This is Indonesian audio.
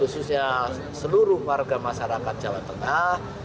khususnya seluruh warga masyarakat jawa tengah